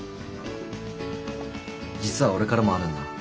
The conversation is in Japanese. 実は俺からもあるんだ。